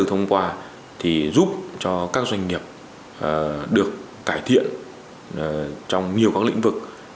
hôm qua thì giúp cho các doanh nghiệp được cải thiện trong nhiều các lĩnh vực